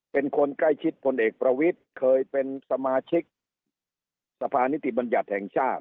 เป็นคนใกล้คิดคนเอกประวิทเคยเป็นสมาชิกทฤพธิบัญญาณแห่งชาติ